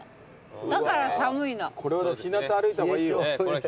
これは日なた歩いた方がいいよ。